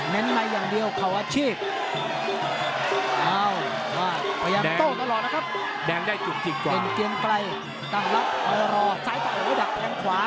แดงได้จุดจริงกว่า